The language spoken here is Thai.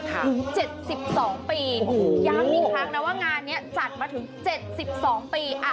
หรือเจ็ดสิบสองปีโอ้โหยังมีทางนะว่างานเนี้ยจัดมาถึงเจ็ดสิบสองปี